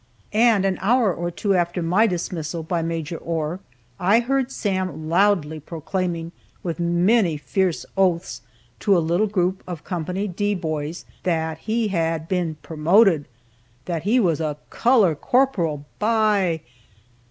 And an hour or two after my dismissal by Maj. Ohr, I heard Sam loudly proclaiming, with many fierce oaths, to a little group of Co. D. boys, that he "had been promoted." That he was a "color corporal, by